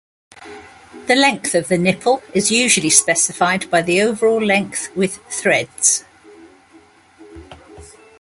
The length of the nipple is usually specified by the overall length with threads.